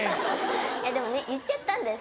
でも言っちゃったんです。